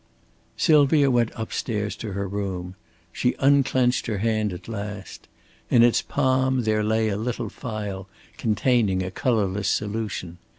Sylvia went up stairs to her room. She unclenched her hand at last. In its palm there lay a little phial containing a colorless solution.